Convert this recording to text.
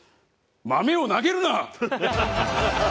豆を投げるな！